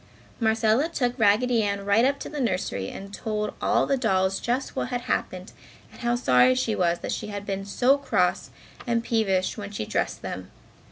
Marcella took Raggedy Ann right up to the nursery and told all the dolls just what had happened and how sorry she was that she had been so cross and peevish when she dressed them.